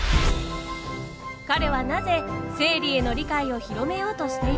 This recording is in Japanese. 彼はなぜ生理への理解を広めようとしているのか。